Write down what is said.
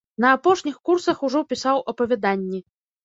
На апошніх курсах ужо пісаў апавяданні.